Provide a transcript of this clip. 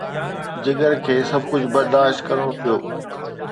جگر کي سڀ ڪجهه برداشت ڪرڻو پيو.